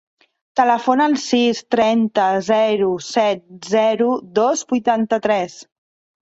Telefona al sis, trenta, zero, set, zero, dos, vuitanta-tres.